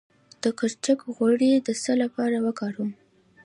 د کرچک غوړي د څه لپاره وکاروم؟